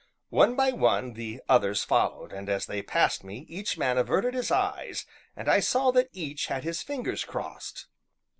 One by one the others followed, and, as they passed me, each man averted his eyes and I saw that each had his fingers crossed.